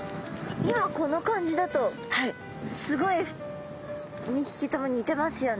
今この感じだとすごい２ひきとも似てますよね。